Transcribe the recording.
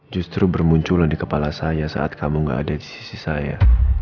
justru bermunculan di kepala saya saat kamu gak ada di sisi saya